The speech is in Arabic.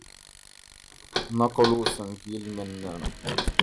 نقلوا صنجيل من نا